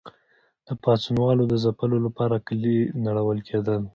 د پاڅونوالو د ځپلو لپاره کلي نړول کېدل.